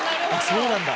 そうなんだ！